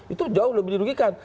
itu jauh lebih dilugikan